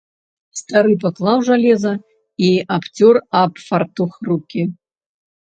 Стары паклаў жалеза і абцёр аб фартух рукі.